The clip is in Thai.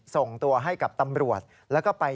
ส่งตัวให้กับตำรวจแล้วก็ไป